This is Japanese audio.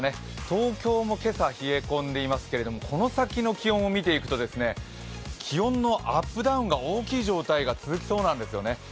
東京も今朝、冷え込んでいますけれども、この先の気温を見ていくと、気温のアップダウンが大きい状態が続きそうなんですよね。